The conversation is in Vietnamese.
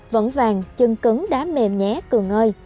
vẫn vàng chân cứng đá mềm nhé cường ơi